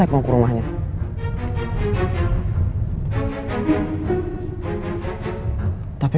acil jangan kemana mana